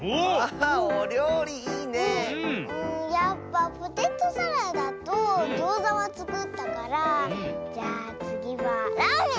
うんやっぱポテトサラダとギョーザはつくったからじゃあつぎはラーメン！